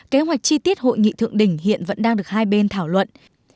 kế hoạch chi tiết hội nghị thượng đỉnh hiện vẫn đang được hai bên thảo luận